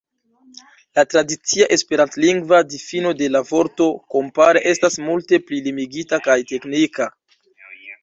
La tradicia esperantlingva difino de la vorto kompare estas multe pli limigita kaj teknika.